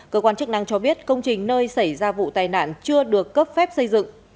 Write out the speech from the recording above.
cơ quan chức năng cho biết công trình nơi xảy ra vụ tai nạn chưa được cấp phép xây dựng